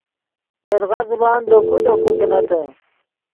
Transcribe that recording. یدغا زبان دے کو دے کو کینتے